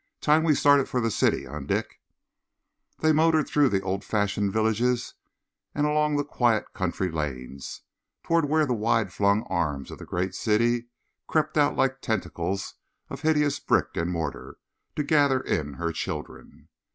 Time we started for the City, eh, Dick?" They motored through the old fashioned villages and along the quiet country lanes, towards where the wide flung arms of the great city crept out like tentacles of hideous brick and mortar, to gather in her children.